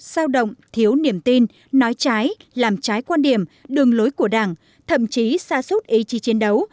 sao động thiếu niềm tin nói trái làm trái quan điểm đường lối của đảng thậm chí xa suốt ý chí chiến đấu